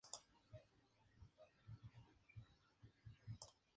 Al actual portal lo podemos clasificar como un estilo barroco americano.